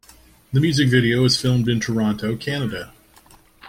The music video was filmed in Toronto, Canada.